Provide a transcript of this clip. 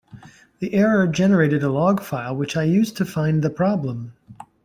The error generated a log file which I used to find the problem.